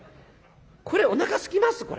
これおなかすきます？